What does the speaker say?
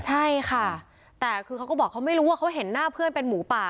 ใช่ค่ะแต่คือเขาก็บอกเขาไม่รู้ว่าเขาเห็นหน้าเพื่อนเป็นหมูป่า